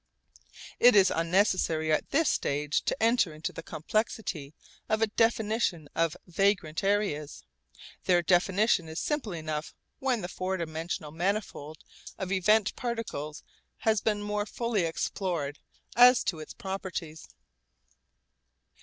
It is unnecessary at this stage to enter into the complexity of a definition of vagrant areas. Their definition is simple enough when the four dimensional manifold of event particles has been more fully explored as to its properties.